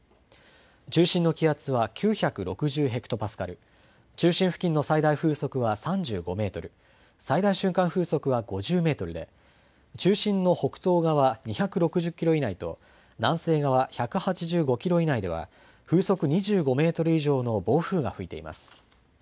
中心の気圧は９６０ヘクトパスカル、中心付近の最大風速は３５メートル、最大瞬間風速は５０メートルで、中心の北東側２６０キロ以内と、南西側１８５キロ以内では、風速２５メートル以上の暴風が吹いています。